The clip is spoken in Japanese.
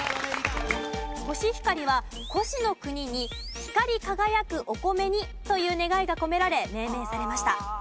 コシヒカリは越の国に光輝くお米にという願いが込められ命名されました。